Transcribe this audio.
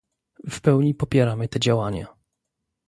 W pełni popieramy te działania